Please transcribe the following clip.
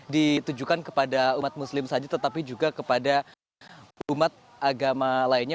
ditujukan kepada umat muslim saja tetapi juga kepada umat agama lainnya